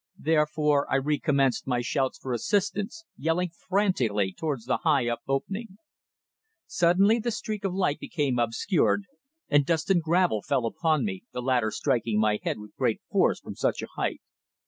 Therefore I recommenced my shouts for assistance, yelling frantically towards the high up opening. Suddenly the streak of light became obscured, and dust and gravel fell upon me, the latter striking my head with great force from such a height.